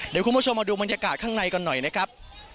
เดี๋ยวคุณผู้ชมมาดูบรรยากาศข้างในก่อนหน่อยนะครับ